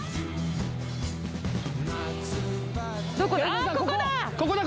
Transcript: あここだ！